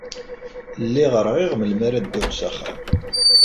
Lliɣ rɣiɣ melmi ara dduɣ s axxam.